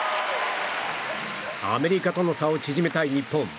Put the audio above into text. アメリカとの差を縮めたい日本。